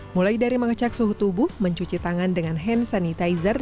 mulai dari mengecek suhu tubuh mencuci tangan dengan hand sanitizer